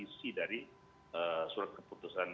isi dari surat keputusan